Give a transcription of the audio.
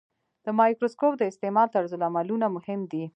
د مایکروسکوپ د استعمال طرزالعملونه مهم دي.